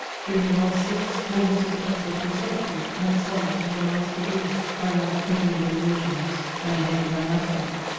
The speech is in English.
During the last six, all the symptoms of consumption, and some in the last degree: I lack only the illusions, and maybe I have some!"